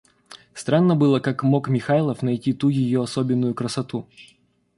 Странно было, как мог Михайлов найти ту ее особенную красоту.